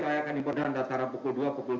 saya akan diperdayakan dasarnya pukul dua tiga